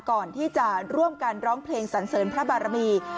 ก่อนที่จะร่วมกันร้องเพลงสันเสริญพระบารมี